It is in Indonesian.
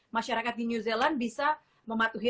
masyarakat di new zealand bisa mematuhi